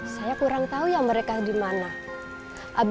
mas arfi datang aja di jalan ini